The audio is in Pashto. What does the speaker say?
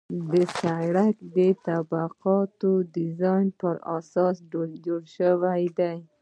د سرک د طبقاتو ډیزاین په اساسي ډول شوی دی